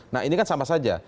nah ini kan sama saja